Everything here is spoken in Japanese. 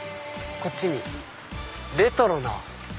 こっちにレトロな。